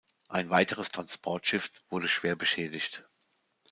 Ein weiteres Transportschiff wurde schwer beschädigt.